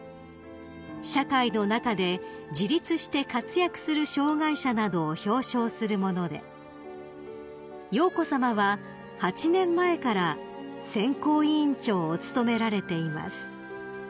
［社会の中で自立して活躍する障害者などを表彰するもので瑶子さまは８年前から選考委員長を務められています］